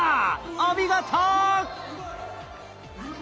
お見事！